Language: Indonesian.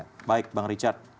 oke baik bang richard